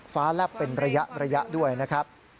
แลบเป็นระยะด้วยนะครับ